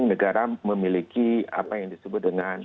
negara memiliki apa yang disebut dengan